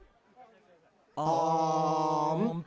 あん。